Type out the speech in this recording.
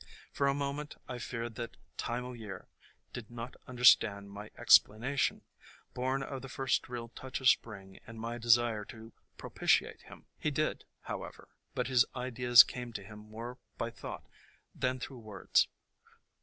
For a moment I feared that Time o' Year did not understand my explanation, born of the first real touch of Spring and my desire to propitiate him. He did, however, but his ideas came to him more by thought than through words.